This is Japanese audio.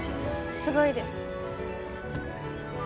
すごいです。